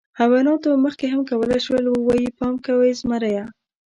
حیواناتو مخکې هم کولی شول، ووایي: «پام کوئ، زمری!».